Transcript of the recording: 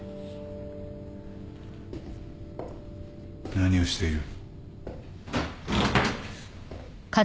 何をしている。